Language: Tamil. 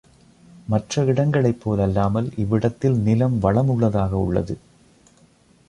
மற்ற இடங்களைப் போலல்லாமல் இவ்விடத்தில் நிலம் வளமுள்ளதாக உள்ளது.